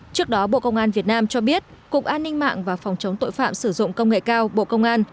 trước đó bộ công an việt nam cho biết cục an ninh mạng và phòng chống tội phạm sử dụng công nghệ cao bộ công an